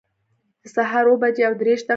د سهار اووه بجي او دیرش دقیقي